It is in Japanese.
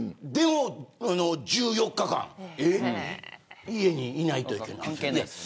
でも１４日間家にいないといけないって。